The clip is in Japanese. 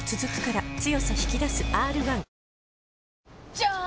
じゃーん！